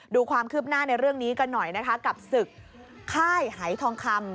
ดูความคืบหน้าในเรื่องนี้กันหน่อยนะคะกับศึกค่ายหายทองคำ